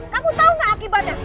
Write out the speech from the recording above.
kamu tau nggak akibatnya